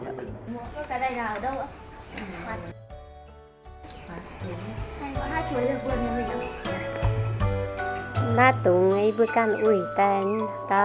đợi một giây nữa